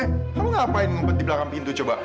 kamu ngapain ngumpet di belakang pintu coba